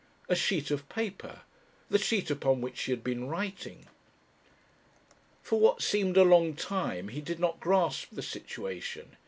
A sheet of paper the sheet upon which she had been writing! For what seemed a long time he did not grasp the situation.